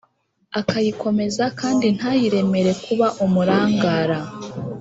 akayikomeza kandi ntayiremere kuba umurangara,